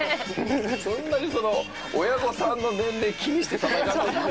そんなにその親御さんの年齢気にして戦ってたんですか。